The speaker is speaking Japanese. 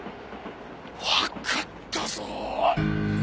わかったぞ！